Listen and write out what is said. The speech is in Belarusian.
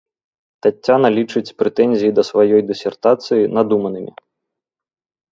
Таццяна лічыць прэтэнзіі да сваёй дысертацыі надуманымі.